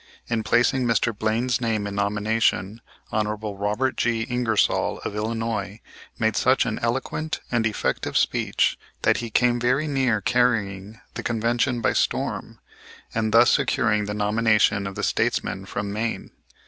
In placing Mr. Blaine's name in nomination, Hon. Robert G. Ingersoll of Illinois made such an eloquent and effective speech that he came very near carrying the Convention by storm, and thus securing the nomination of the statesman from Maine.